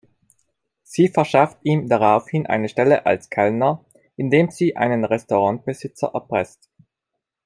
Sie verschafft ihm daraufhin eine Stelle als Kellner, indem sie einen Restaurantbesitzer erpresst.